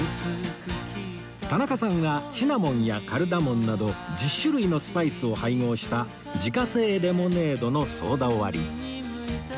田中さんはシナモンやカルダモンなど１０種類のスパイスを配合した自家製レモネードのソーダ割り